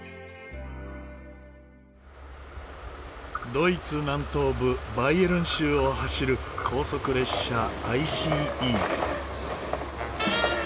ドイツ南東部バイエルン州を走る高速列車ＩＣＥ。